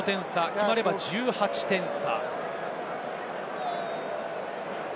決まれば１８点差。